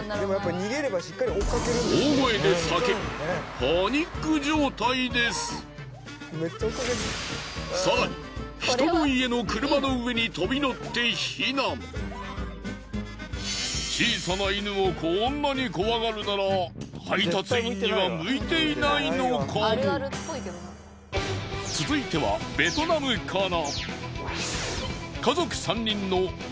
大声で叫び更に人の家の小さな犬をこんなに怖がるなら続いてはベトナムから。